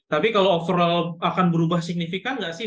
tapi kalau overall akan berubah signifikan nggak sih